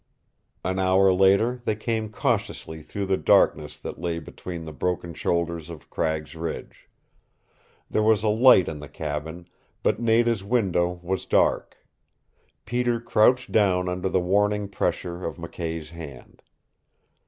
An hour later they came cautiously through the darkness that lay between the broken shoulders of Cragg's Ridge. There was a light in the cabin, but Nada's window was dark. Peter crouched down under the warning pressure of McKay's hand.